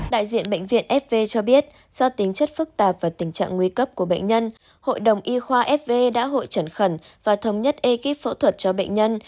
đại diện bệnh viện fv cho biết do tính chất phức tạp và tình trạng nguy cấp của bệnh nhân hội đồng y khoa fv đã hội trần khẩn và thống nhất ekip phẫu thuật cho bệnh nhân